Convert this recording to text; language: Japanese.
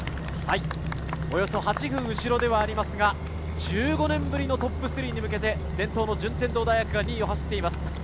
およそ８分後ろではありますが、１５年ぶりのトップ３に向けて伝統の順天堂大学が２位を走っています。